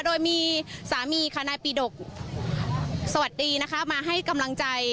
โดยมีสามีค่ะนายปีดกสวัสดีนะคะมาให้กำลังใจ